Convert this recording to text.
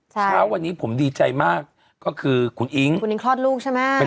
เช้าวันนี้ผมดีใจมากก็คือคุณอิ๊งคุณอิงคลอดลูกใช่ไหม